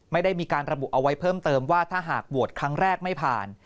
ไม่ได้มีการระบุเอาไว้เพิ่มเติมว่าถ้าหากโหวตครั้งแรกไม่ผ่าน